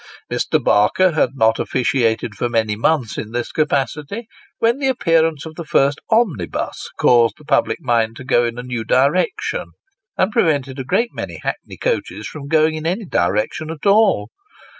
Mr. Barker had not officiated for many months in this capacity, when the appearance of the first omnibus caused the public mind to go in a new direction, and prevented a great many hackney coaches from going in any direction at all.